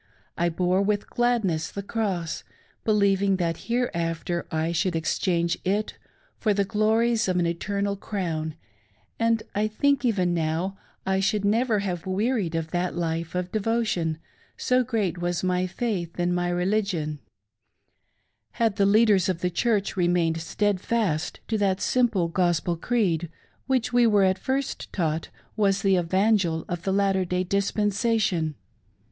I bore with gladness the cross, believing that hereafter I should exchange it for the glories of an eternal crown ; and I think, even now, I should never have wearied of that life of devotion, so great was my faith in my religion, had THE RECORD OF MY OWN EXPERIENCE. 621 the leaders of the Church remained steadfast to that simple Gospel creed which we were at first taught was the Evangel of the Latter Day Dispensation.